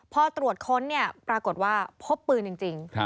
พอตรวจค้นเนี่ยปรากฏว่าพบปืนจริง